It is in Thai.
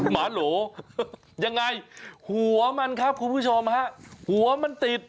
หมาโหอย่างไรหัวมันครับคุณผู้ชม